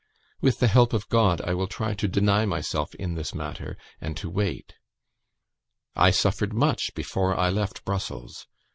With the help of God, I will try to deny myself in this matter, and to wait. "I suffered much before I left Brussels.